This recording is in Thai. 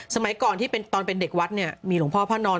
สมัยก่อนตอนเป็นเด็กวัดมีหลวงพ่อพระนอน